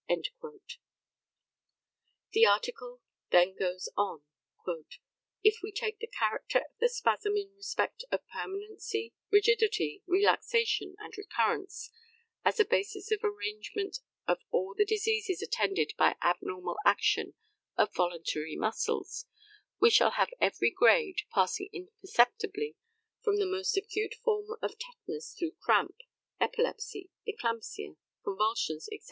The article then goes on: "If we take the character of the spasm in respect of permanency, rigidity, relaxation, and recurrence as a basis of arrangement of all the diseases attended by abnormal action of voluntary muscles, we shall have every grade, passing imperceptibly from the most acute form of tetanus through cramp, epilepsy, eclampsia, convulsions, &c.